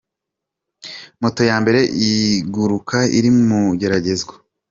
Moto ya mbere iguruka iri mu igeragezwa